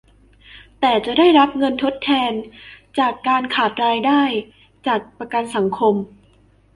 แต่จะได้รับเงินทดแทนการขาดรายได้จากประกันสังคม